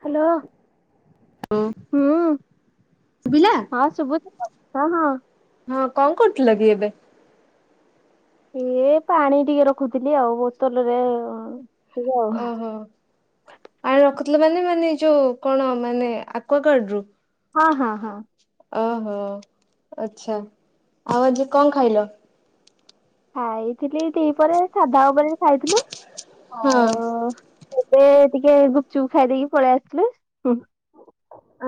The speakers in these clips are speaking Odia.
ହ୍ୟାଲୋ ହ ଶୁଭିଲା? ହଁ ଶୁ ହଁ ହଁ ହଁ କଣ କରୁଥିଲ କି ଏବେ? ଏ ପାଣି ଟିକେ ରଖୁଥିଲି ଆଉ ବୋତଲରେ ଟିକେ ଓହୋ ପାଣି ରଖୁଥିଲ ମାନେ ମାନେ ଯୋଉ କଣ ମାନେ ଆକ୍ୱ ଗାର୍ଡ ରୁ ହଁ ହଁ ହଁ ଓହୋ ଆଛ୍ଛା ଆଉ ଆଜି କଣ ଖାଇଲ? ଖାଇଥିଲି ଦ୍ୱିପହ ରେ ସାଧା ଉପରେ ଖାଇଥିଲୁ ହଁ। ଆଉ ଏବେ ଟିକେ ଗୁପଚୁପ୍ ଖାଇ ଦେଇକି ପଳେଇ ଆସିଲୁ।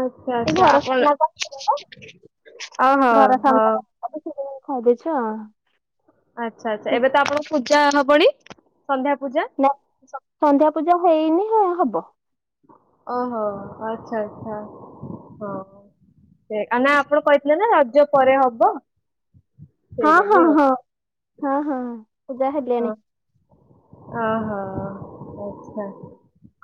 ଆଚ୍ଛା ସେ ଆଚ୍ଛା ଘର ଆପଣ ସାମ୍ନା କୁ ଆସିଥିଲା ଓହୋ ତ ଘର ହୋ ସାମ୍ନା ସେଇଥିପାଇଁ ଖାଇ ଦେଇଚ ଆଚ୍ଛା ଆଚ୍ଛା ଏବେ ତ ଆପଣଙ୍କ ପୂଜା ହବନି ସନ୍ଧ୍ୟା ପୂଜା ନା ସନ୍ଧ୍ୟା ପୂଜା ହେଇନି ହବ ଓହୋ ଆଚ୍ଛା ଆଚ୍ଛା ହଁ ସେ ନା ଆପଣ କହିଥିଲେ ନା ରଜ ପରେ ହବ ସେଇ ହଁ ହଁ ଲାଗି ଆଉ। ହଁ ହଁ ହଁ ହ ପୂଜା ହେଲେଣି ଅହ ଆଚ୍ଛା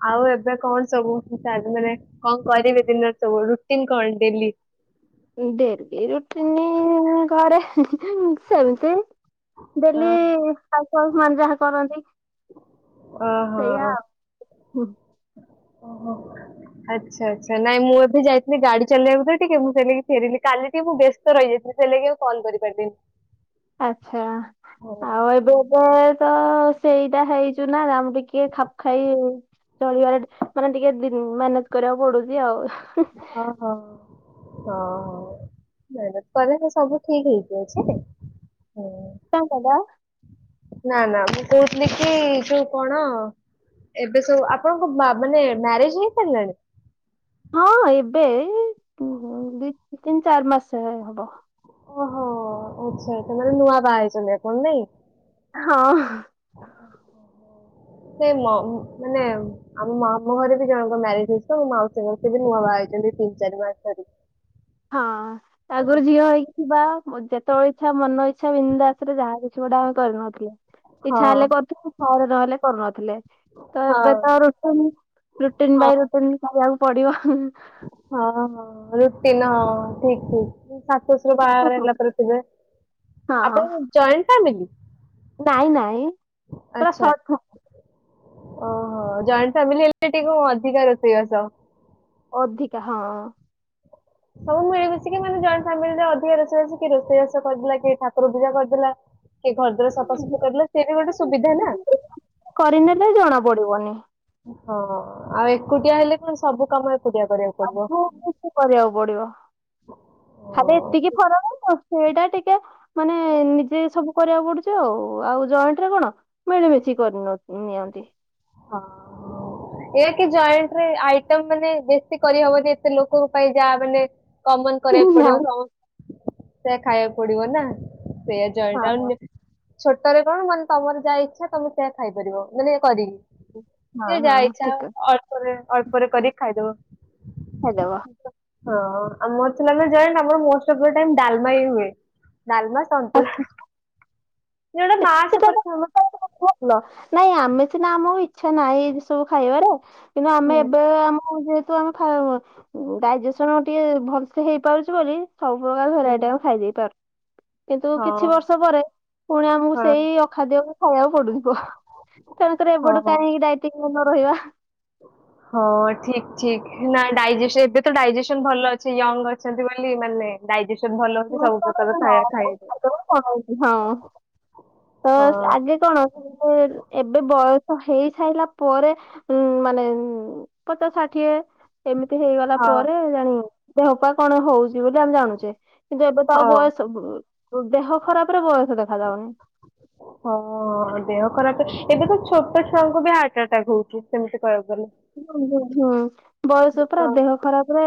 ଆଉ ଏବେ କଣ ସବୁ ଚାର ମାନେ କଣ କରିବେ ଦିନ ସବୁ ରୁଟିନ୍ କଣ ଡେଲି? ଡ଼େଲି ରୁଟିିନ୍ ଘରେ ସେମିତି ଡେଲି ଅଁ ହାଉସ୍ ୱାଇଫ୍ ମାନେ ଯାହା କରନ୍ତି। ଓହୋ ସେଇୟା ଆଉ ଓହୋ ଆଚ୍ଛା ଆଚ୍ଛା ନାଇଁ ମୁଁ ଏବେ ଯାଇଥିର୍ଲି ଗାଡି ଚଲେଇବାକୁ ତ ଟିକେ ମୁଁ କହିଲି ଫେରିଲି କାଲି ଟିକେ ମୁଁ ବ ରହିଯାଇଥିଲି ସେଇଲାଗି ଆଉ କଲ କରିପାରିଲିନି ଆଛା ଓହୋ ଆଉ ଏବେ ଏ ତ ସେଇଟା ହେଇଛୁ ନା [unintelligible] ଖାପ୍ ଖାଇ ଚଳିବାରେ ମାନେ ଟିକେ ମ୍ୟାନେଜ କରିବାକୁ ପଡୁଛି ଆଉ ଓହୋ ହଁ ମେହନତ୍ କଲେ ତ ସବୁ ଠିକ୍ ହେଇଯିବ ଯେ, ହଁ ତାଙ୍କର ନାଁ ନାଁ ମୁଁ କହୁଥିଲି କି ଯୋଉ କଣ ଏବେ ସବୁ ଆପଣଙ୍କ ମାନେ ମ୍ୟାରେଜ ହେଇ ସାରିଲାଣି? ହଁ ଏବେ ଦି ତିନି ଚାରି ମାସ ହବ। ଓହୋ ଆ୍ଛା ଏତ ମାନେ ନୂଆ ବାହା ହେଇଛନ୍ତି ନାଇଁ। ହଁ। ସେ ମାନେ ଆମ ମାମୁଁ ଘରେ ବି ଜଣଙ୍କ ମ୍ୟାରେଜ ହେଇଚି ତ ମୋ ମାଉସୀଙ୍କ ସେ ବି ନୂଆ ବାହା ହେଇଛନ୍ତି ତିନି ଚାରି ମାସ ଧରି। ହଁ ଆଗରୁ ଝିଅ ହେଇକି ଥିବା ମଜା ତ ଇଚ୍ଛା ମନ ଇଚ୍ଛା ବିନ୍ଦାସରେ ଯାହା କିଛି ଗଟେ ଆମେ କରିନଥିଲେ। ହଁ ଇଚ୍ଛା ହେଲେ କରୁଥିଲେ ଇଚ୍ଛା ନହେଲେ କରୁନଥିଲେ। ତ ହଁ ଏବେ ତ ରୁଟିନ୍ ରୁଟିନ୍ ହଁ ବାଇ ରୁଟିନ୍ କରିବାକୁ ପଡିବ। ହଁ ହଁ ରୁଟିନ୍ ହଁ ଠିକ୍ ଠିକ୍ ସାତ ବା ହଁ ହେଲା ପରେ ଥିବେ ଆପଣ କଣ ଜଏଣ୍ଟ ଫ୍ୟାମିଲି? ନାଇଁ ନାଇଁ ପୁରା ଆଚ୍ଛା ଶଟ ଫା ଓହୋ ଜଏଣ୍ଟ ଫ୍ୟାମିଲି ହେଲେ ଟିକେ ଅଧିକା ରୋଷେଇବା ସ। ଅଧିକା ହଁ। ସବୁ ମିଳିମିଶିକି ମାନେ ଜଏଣ୍ଟ ଫାମିଲିରେ ଅଧିକା ରୋଷେଇବାସ କି ରୋଷେଇବା ବାଷ କରିଦଥିଲା କି ଠାକୁର ପୂଜା କରିଦେଲା। କିଏ ଘର ଦ୍ୱାର ସଫାସୁଫି କରିଲେ ସେ ବି ଗୋଟେ ସୁବିଧା ନା। କରିନେଲେ ଜଣା ପଡିବନି। ହଁ ଆଉ ଏକୁଟିଆ ହେଲେ କଣ ସବୁ କାମ ଏକୁଟିଆ କରିବାକୁ ଆଉୁ ପଡିବ ବ [unintelligible] କି କରିବାକୁ ପଡିବ। ଖାଲି ଏତିକି ହଁ ଫରକ ରୋଷେଇ ଟା ଟିକେ ମାନେ ନିଜେ ସବୁ କରିବାକୁ ପଡୁଛି ଆଉ ଆଉ ଜଏଣ୍ଟ ରେ କଣ ମିଳିମିଶି କରିନ ନିଅନ୍ତି। ହଁ। ଏକ ଜଏଣ୍ଟରେ ଆଇଟମ୍ ମାନେ ବେଶୀ କରିହବନି ଏତେ ଲୋକଙ୍କ ପାଇଁ ଯାହା ମାନେ କମନ୍ କରିବାକୁ ନା ପଡିବ ସମ ସେଇ ଖାଇବାକୁ ପଡିବ ନା ସେଇଆ ଜଏଣ୍ଟରେ ହଁ ଆଉ ଛୋଟରେ କଣ ମାନେ ତମର ଯାହା ଇଚ୍ଛା ତମେ ସେଆ ଖାଇପାରିବ ମାନେଏ କରି। ହୁଁ। ଯିଏ ଯାହା ଇଛା ଅଳ୍ପରେ ଅଳ୍ପରେ କରିକି ଖାଇଦବ। ହେଦବା [unintelligible] ହଁ ଆମର ଥିଲା ନାଁ ଆମର joint most of the time ଡାଲମା ହି ହୁଏ। ଡାଲମା ସନ୍ତୁଳା। ଆସ- ଦିଟା ମାସ୍ ଉପରେ କହୁନ? ଲ ନାଇଁ ଆମେ ସିନା ଆମର ଇଚ୍ଛା ନାହିଁ ଏଇ ସବୁ ଖାଇବାର। କିନ୍ତୁ ହଁ ଆମେ ଏବେ ଆମ ତ ଆମେ [unintelligible] ଡାଇଯେସନ ଟିକେ ଭଲସେ ହେଇପାରୁଛୁ ବୋଲି। ସବୁ ପ୍ରକାର ଭେରାଇଟି ଆମେ ଖାଇଦେଇପାରୁ। କିନ୍ତୁ ହଁ କିଛି ବର୍ଷ ପରେ ପୁଣି ଆମକୁ ହଁ ସେଇ ଅଖାଦ୍ୟକୁ ଖାଇବାକୁ ପଡୁ ପୁ ତେଣୁକର ଏବେଡୁ କାହିଁକିାଇ ନ ରହିବା [unintelligible] ହ [inaudible] ହଁ ଠିକ୍ ଠିକ୍ ନା ଡାଇଜେସ ଏବେ ତ ଡାଇଜେସନ ଭଲ ଅଛି ୟଙ୍ଗ ଅଛନ୍ତି ବୋଲି ମାନେ ଡାଇଜେସନ ଭଲ ଅଛି ସବୁ ପ୍ରକାର ଖାଇବା ହଁ ଖାଇବେ [unintelligible] ତ ହଁ ଆଗେ କଣ ଏବେ ବୟସ ହେଇ ସାରିଲା ପରେ ଉ ମାନେ ପଚାଷ ସାଠିଏ ଏମିତି ହେଇଗଲା ହଁ ପରେ ଜାଣିବ ଦେହପାଅ କଣ ହଉଛି ବୋଲି ଆମେ ଜାଣୁଛେ। କିନ୍ତୁ ଏବେ ତ ଆଉ ହଁ ବୟସ ଦେହ ଖରାପରେ ବୟସ ଦେଖାଯାଉନି। [unintelligible] ହଁ ଦେହ ଖରାପ ଏବେ ତ ଛୋଟ ଛୁଆଙ୍କୁ ବି ହାର୍ଟ ଆଟାକ୍ ହଉଛି ସେମିତି କହିବାକୁ ଗଲେ। ହଁ ହୁଁ ହୁଁ ବୟସ ପୁରା ତ ଦେହ ଖରାପ ରେ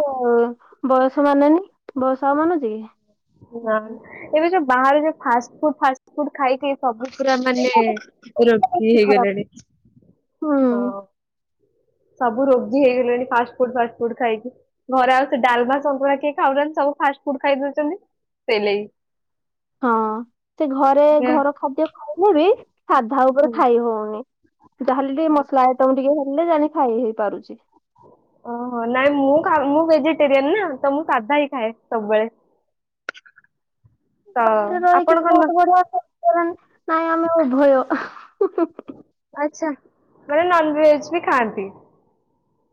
ବୟସ ମାନେନି। ବୟସ ଆଉ ମାନୁଚି କି? ନାଇଁ। ଏବେ ଯୋଉ ବାହାରେ ଯୋଉ ଫାଷ୍ଟ ଫୁଡ ଫଷ୍ଟ ଫୁଡ୍ ଖାଇକି ସବୁ ପୁରା ମାନେ [unintelligible] ଖରାପ ହେଇଗଲେଣି ହୁଁ। ହଁ। ସବୁ ରୋଗୀ ହେଇଗଲେଣି ଫାଷ୍ଟ ଫୁଡ ଫାଷ୍ଟ ଫୁଡ ଖାଇକି। ଘରେ ଆଉ ସେ ଡାଲମା ସନ୍ତୁଳା କିଏ ଖାଉନାହାନ୍ତି ସବୁ ଫାଷ୍ଟ ଫୁଡ ଖାଇଦଉଛନ୍ତି ସେଇ ଲାଗି। ହଁ ସେ ଘରେ ଘର ଖାଦ୍ୟ ଖାଇଲେ ବି ସାଧା ଉପରେ ହୁଁ ଖାଇ ହଉନି। ଯାହେଲେ ଟ ମସଲା ଆଇଟମ ଟିକେ ହେଲେ ଜାଣି ଖାଇ ହେଇ ପାରୁଚି। ଓହୋ ନାଇଁ ମୁଁ ଖା ମୁଁ ଭେଜିଟେରିଆନ ନା ତ ମୁଁ ସାଧା ହିଁ ଖାଏ ସବୁବେଳେ। ତ ବାହାରେ ରହିକି ଆପଣ କଣ ନ ବହୁତ ବଢିଆ [unintelligible] ନାଇଁ ଆମେ ଉଭୟ। ଆଚ୍ଛା ମାନେ ନନଭେଜ ବି ଖାଆନ୍ତି?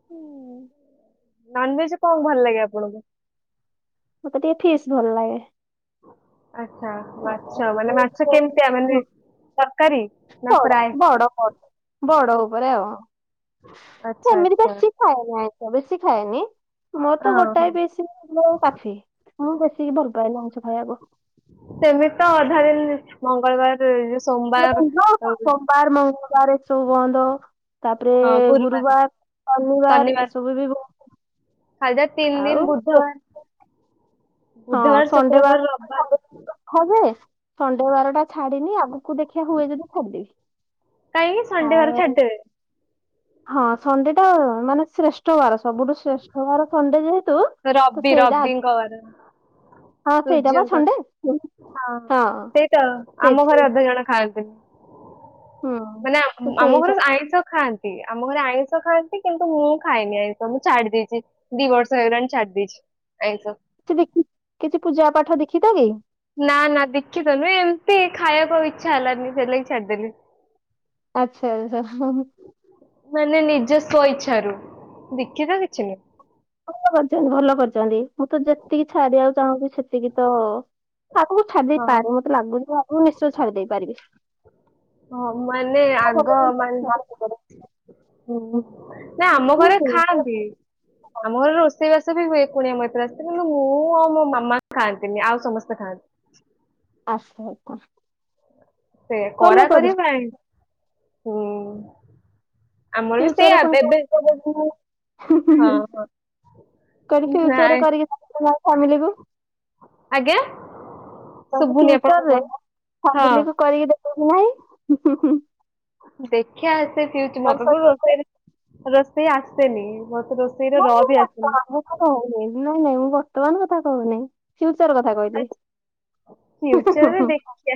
ହୁଁ। ନନଭେଜ କଣ ଭଲ ଲାଗେ ଆପଣଙ୍କୁ? ମତେ ଟିକେ ଫିସ୍ ଭଲ ଲାଗେ। ଆଚ୍ଛା ମାଛ ମାନେ ମାଛ କେମିତିଆ ମାନେ ତରକାରୀ? ନା ବଡ ଫ୍ରାଏ? ବଡ ବଡ ଉପରେ ଆଉ ଆଚ୍ଛା ସେମିତି ଆଚ୍ଛା [unintelligible] ଖାଏ ନାଇ ତ ବେଶୀ ଖାଏନି ମୋର ତ ହଁ ହଁ ଗୋଟାଏ ପିସ୍ କାଫି। ମୁଁ ବେଶି ଭଲ ପାଏନି ଆଇଁଷ ଖାଇବାକୁ। ସେମିତି ତ ଅଧା ଦିନ ମଙ୍ଗଳବାର ସୋମବାର ସୋ ପାର ମଙ୍ଗଳବାର ଏସବୁ ବନ୍ଦ। ତାପରେ ଗୁରୁବାର ଶନିବାର ଏସବୁ ବି ବ [unintelligible] ତିନ ଦିନ ବୁଧବାର ବୁଧବାର ସଣ୍ଡେ ଶୁକ୍ରବାର ବାର ରବିବାର ସଣ୍ଡେ ହଁ ଯେ ସଣ୍ଡେ ବାରଟା ଛାଡିନି ଆଗକୁ ଦେଖିବା ହୁଏ ଯଦି ଛାଡିଦେବି। କାଇଁକି ସଣ୍ଡେ ବାର ଆଉ ଛାଡିଦେବେ? ହଁ ସଣ୍ଡେ ଟା ମାନେ ଶ୍ରେଷ୍ଠ ବାର ସବୁଠୁ ଶ୍ରେଷ୍ଠା ବାର ସଣ୍ଡେ ଯେହ ରବି ରବିଙ୍କ ବାର। ହଁ ସେଇଟା ବା ସଣ୍ଡେ ହଁ ସୂର୍ଯ୍ୟଙ୍କର ହଁ ସେଇ ତ ସେଇ ଆମ ଘରେ ସେଇ ଅଧେ ଜଣ ଖାଆନ୍ତିନି। ହୁଁ ମାନେ ତ ଆମ ସେଇ ଘର ସବୁ ଆଇଁଷ ଖାଆନ୍ତି ଆମ ଘରେ ଆଇଁଷ ଖାଆନ୍ତି କିନ୍ତୁ ମୁଁ ଖାଏନି ଆଇଁଷ ମୁଁ ଛାଡି ଦେଇଚି। ଦିବର୍ଷ ହେଲାଣି ଛାଡି ଦେଇଚି ଆଇଁଷ। [unintelligible] କିଛି ପୂଜା ପାଠ ଦେଖିଥେବି। ନା ନା ଦୀଖିତ ନୁହଁ ଏମିତି ଖାଇବାକୁ ଇଚ୍ଛା ହେଲାନି ସେଇଲାଗି ଛାଡିଦେଲି। ଆଚ୍ଛା [inaudible] ମାନେ ନିଜ ସ୍ୱ ଇଚ୍ଛାରୁ ଦିଖିତ କିଛି ନୁଁହ। ଭଲ କରିଛନ୍ତି ଭଲ କରିଛନ୍ତି ମୁଁ ତ ଯେତିକି ଛାଡିଆକୁ ଚାହୁଁଛି ସେ [unintelligible] ଆଗକୁ ମୁଁ ଛାଡି ଦେଇ ହଁ ପାରେ ମତେ ଲାଗୁଛି ଆ ମୁଁ ନିଶ୍ଚୟ ଛାଡି ଦେଇ ପାରିବି। ହଁ ମାନେ ଆଗ ମାନ [unintelligible] ନା ଆମ ଘରେ ଖାଆନ୍ତି। ଆମ ଘରେ ରୋଷେଇବାସ ବି ହୁଏ କୁଣିଆ ମଇତ୍ର ଆସିଲେ କିନ୍ତୁ ମୁଁ ଆଉ ମୋ ମାମା ଖାଆନ୍ତିନି ଆଉ ସମସ୍ତେ ଖାଆନ୍ତି। ଆସ ଆକୁ ସେ। ସେ କରା କରି ପାଇଁ। ହୁଁ। ଆମର ବି ଫ୍ୟୁଚରରେ ସେଇଆ ପୁଣି ଏବେ କଉଠି କଲେଜ ପୁଣି। ହ୍ନୁ ହଁ ହ୍ନୁ। କହିଲି ହଁ ଫିୟୁଚରରେ ନାଇଁ କରିକି ଫାମିଲିକୁ। ଆଜ୍ଞା। କହିଲି ଶୁଭୁନି ଆପଣ କଣ ଫ୍ୟୁଚରରେ କହୁଛନ୍ତି। ହଁ। ଫ୍ୟାମିଲିକୁ କରିକି ଦେଖା। ଦେଖଆ ଏତେ ପିଉଛି। ମତେ ତ ରୋଷେଇ। ରୋଷେଇ ଆସେନି। ମତେ ରୋଷେଇର ର ନାଇଁ ମୁଁ ବି ଆସେନି। ବର୍ତ୍ତମାନ ନାଇଁ ନାଇଁ ମୁଁ ବର୍ତ୍ତମାନ କଥା କହୁନି ଫିୟୁଚର କଥା କହିଲି। ଫିୟୁଚରରେ ଦେଖିବା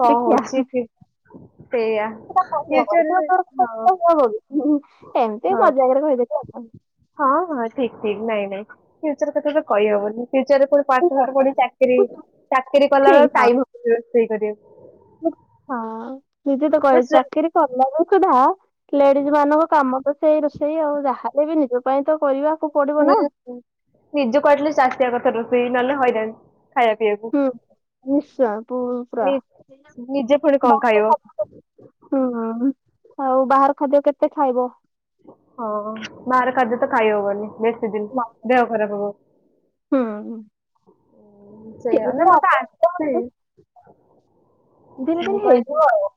କଣ ଦେଖିଆ। ହଉଛି ସେଇୟା। ଏମିତି ହଁ ମଜାାଗରେ କହିଦେଲି ଆଉ। ହଁ ହଁ ଠିକ ଠିକ ନାଇଁ ନାଇଁ ଫ୍ୟୁଚର କଥା ତ କହିହବନି ଫ୍ୟଚରରେ ଫୁଣି। ପାଠ ସାଠ ପଢିକି ଚାକିରି। ଚାକିରି କଲାବେଳକୁ ଠିକ୍ ହଁ ଟାଇମ ହବନି ରୋଷେଇ କରିବାକୁ। ହଁ ନିଜେତ କରିବାକୁ ଚାକିରିୀ କଲାବେଳେ ସୁଧା ଲେଡିଜ ମାନଙ୍କ କାମ। ତ ସେଇ ରୋଷେଇ ଆଉ। ଯାହେଲେ ବି ନିଜ ପାଇଁ ତ କରିବା। ହୁଁ ନିଜକୁ ଆଟଲିଷ୍ଟି ଆସିବା କଥା ରୋଷେଇ ନହେଲେ ହଇରାଣ ଖାଇବା ପିଇବାକୁ। ହୁଁ ନିଶ୍ଚୟ ପୂଜା। ନି ନିଜେ ପୁଣି କଣ ଖାଇବ ହୁଁ ଆଉ ବାହାର ଖାଦ୍ୟ କେତେ ଖାଇବ। ହଁ ବାହାର ଖାଦ୍ୟ ତ ଖାଇ ହବନି। ସେଦିନ। ଦେହ ଖରାପ ହବ। ହୁଁ ସେଇଆ ଧୀରେ ମତେ ତ ଆସେନି। ଧୀରେ ଧୀରେ ଧୀରେ ହଁ କାଇ। ହେଇଯିବ ଆଉ।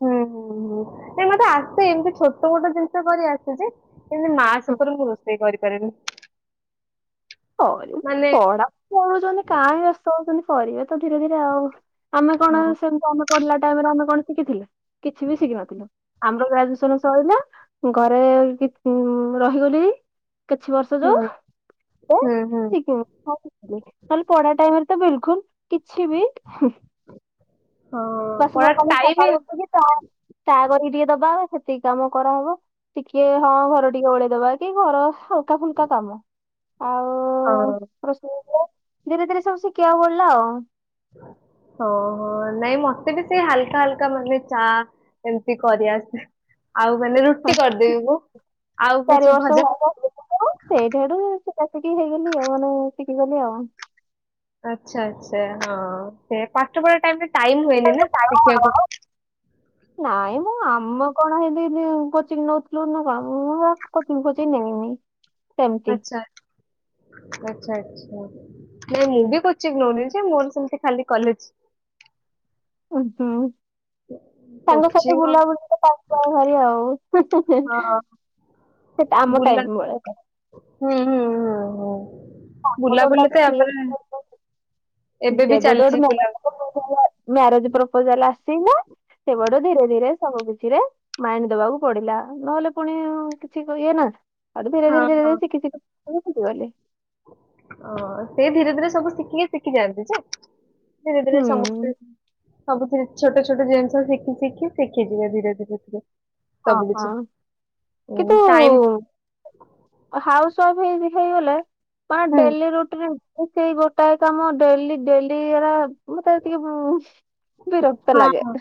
ହୁଁ ହ୍ନୁ ହଁ। ନାଇଁ ମତେ ଆସେ। ଏମିତି ଛୋଟ ମୋଟ ଜିନିଷ କରି ଆସେ ଯେ। କିନ୍ତୁ ମା ସହିତ ମୁଁ ରୋଷେଇ କରିପାରେନି। ପଢା ମାନେ ପଢୁଛନ୍ତି କରୁଛନ୍ତି କାଇଁ ବ୍ୟସ୍ତ ହଉଛନ୍ତି କରିବେ ତ ଧୀରେ ଧୀରେ ଆଉ। ଆମେ କଣ ହଁ ସେମତି ଆମେ ପଢିଲା ଟାଇମରେ ଆମେ କଣ ଶିଖିଥିଲୁ କିଛି ବି ଶିଖିିନଥିଲୁ। ଆମର ଗ୍ରାଜୁଏସନ ସଇଲା ଘରେ ରହିଗଲି। କିଛି ବର୍ଷ ଯୋଉ। ଏ ହଁ ହଁ। ନହେଲେ ପଢା ଟାଇମରେ ତ ବିଲକୁଲ କିଛି ବି। ହଁ ବାସ ପଳା ଖାଲି ଟାଇମ ସକାଳୁ ଉଠିଲି ଚା। ଚା କରିକି ଟିକେ ଦବା ସେତିକି କାମ କରାହବ ଟିକେ ହଁ ଘର ଟିକେ ଓଳେଇ ଦବା କି। ଏଇ ଘର ହାଲକା ଫୁଲକା କାମ ହଁ ଆଉ। ଧୀରେ ଧୀରେ ସବୁ ଶିଖିବାକୁ ପଡିଲା ଆଉ। ହଉ ନାଇଁ ମତେ ବି ସେଇ ହାଲକା ହାଲକା ମାନେ ଚା। ଏମିତି କରିଆସେ। ଆଉ ମାନେ ରୁଟି। ହଁ ରୁଟି କରିଦେବି ମୁ ଆଉ ଚାରି କିଛି ବର୍ଷ ଭଜା। ଶିକାସିକି ହେଇଗଲି ଆଉ ମାନେ ଶିଖିଗଲି ଆଉ। ଆଚ୍ଛା ଆଚ୍ଛା। ହଁ ସେ ପାଠପଢା ଟାଇରେ ଟାଇମ ହୁଏନି ନା ଶଖିବାକୁ। ହଁ। ନାଇଁମ ଆମ କଣ ହେଟି କୋଚିଂ ନଉଥିଲୁ ନା କଣ ମୁଁ କୋଚିଂ କୋଚିଂ ନେଇନି। ସେମିତି ଆଛା ଆଛା ଆଛା। ନାଇଁ ମୁଁ ବି କୋଚି ନଉନି ଯେ ମୋର ସେମିତି ଖାଲି କଲେଜ। ହ୍ନୁ ହ୍ନୁ। ସାଙ୍ଗ ସାଥି କୋଚିଂ ଆଉ ବୁଲାବୁଲିିରେ ଟାଇମ ଯାଏ ଭାରି ହଁ ଆଉ। ସେଟା ଆମ ବୁଲା ଟାଇମ୍ ବେଳେ କର। ହୁଁ ହୁଁ ହୁଁ ହ ମୋ ବୁଲାବୁଲି ଧନ୍ଦାକୁ ତ ଏଆ ପରେ। ଦେବୋଡ ମ୍ୟାରେଜ ପ୍ରପୋଜାଲ ଆସି ନା ସେ ବଡ ଧୀରେ ଧୀରେ ସବୁ କିଛି ରେ ମାଇଣ୍ଡ ଦବାକୁ ପଡିଲା ନହେଲେ ପୁଣି କିଛି ଇଏ ନା ଆଉ ଧୀରେ ହଁ ଧୀରେ ଶିଖିଯିବେ ହେଟୁ ଶିଖିଗଲେ। ଓ ସେ ଧୀରେ ଧୀରେ ସବୁ ଶିଖିକି ଶିଖି ଯାଆନ୍ତି ଯେ ଧୀରେ ଧୀରେ ହୁଁ। ସମସ୍ତ ସବୁଥିରେ ଛୋଟ ଛୋଟ ଜିନିଷ ଶିଖି ଶିଖି ଶିଖିଯିବାେ ଧୀରେ ଧୀରେ ଧୀରେ ହେଥିରେ। ଓ ହୋ କିନ୍ତୁ ଟାଇମ୍ ହାଉସ୍ ୱାଇଫ ହେଇ ହେଇଗଲେ କଣ ହୁଁ ଡେଲି ରୁଟରେ ସେଇ ଗୋଟାଏ କାମ ଡେଲି ଡେଲି ହେରା ମତେ ଏତିକି ହଁ ବିରକ୍ତ ଲାଗେ। ହଁ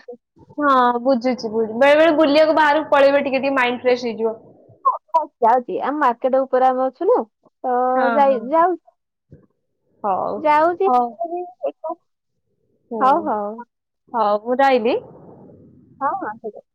ହଁ ବୁଝୁଛି ବୁଝୁ ବେଳେ ବଳେ ବୁଲିବାକୁ ବାହାରକୁ ପଳେଇବେ ଟିକେ ଟିକେ ମାଇଣ୍ଡ ଫ୍ରେଶ ହେଇଯିବ। ଯାଉଛି ଯାଉଛି ଆମେ ମାର୍କେଟ ଉପରେ ଆମେ ଅଛୁନା। ତ ହଁ ଯାଇ ହଁ। ଯାଉଛି ହଉ ଯାଉଛି। ହଉ ହୁଁ ହଉ ହଉ। ହଉ ମୁଁ ରହିଲି। ହଉ ଆସୁଛି।